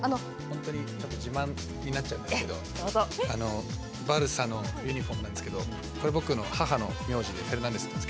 自慢になっちゃうんですけどバルサのユニフォームですけどこれ、僕の母の名字なんですが。